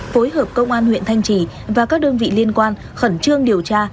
phối hợp công an huyện thanh trì và các đơn vị liên quan khẩn trương điều tra